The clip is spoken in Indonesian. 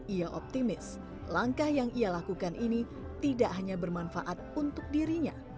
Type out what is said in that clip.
ia optimis langkah yang ia lakukan ini tidak hanya bermanfaat untuk dirinya